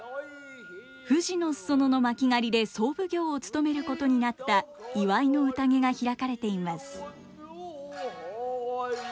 富士の裾野の巻狩で総奉行を務めることになった祝いの宴が開かれています。